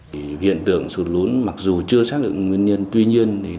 thì hiện tượng sụt lún mặc dù chưa xác định nguyên nhân tuy nhiên